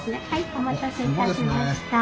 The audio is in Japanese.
お待たせいたしました。